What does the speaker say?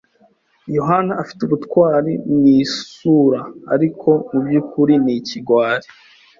Yohana afite ubutwari mu isura, ariko mubyukuri ni ikigwari.